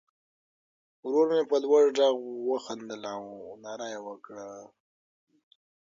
ورور مې په لوړ غږ وخندل او ناره یې کړه.